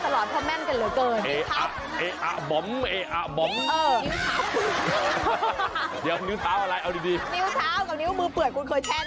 ลงไปแช่น้ำสลอดเพราะแม่นกันเหลือเกิน